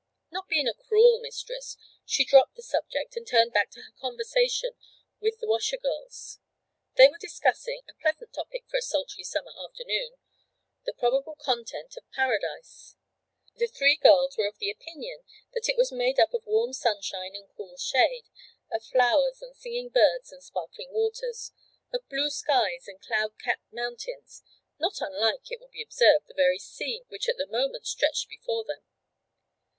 Not being a cruel mistress, she dropped the subject, and turned back to her conversation with the washer girls. They were discussing a pleasant topic for a sultry summer afternoon the probable content of Paradise. The three girls were of the opinion that it was made up of warm sunshine and cool shade, of flowers and singing birds and sparkling waters, of blue skies and cloud capped mountains not unlike, it will be observed, the very scene which at the moment stretched before them.